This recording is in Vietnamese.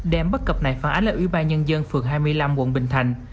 đem bắt cập này phản ánh là ủy ban nhân dân phường hai mươi năm quận bình thành